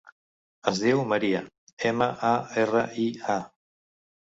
Es diu Maria: ema, a, erra, i, a.